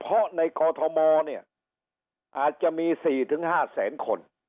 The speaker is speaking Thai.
เพราะในคทมเนี่ยอาจจะมีสี่ถึงห้าแสนคน